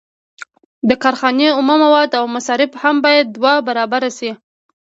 د کارخانې اومه مواد او مصارف هم باید دوه برابره شي